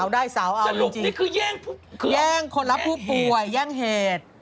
นี่คือแย่งแย่งเหตุแย่งคนรับผู้ป่วยแย่งเหตุ